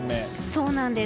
そうなんです。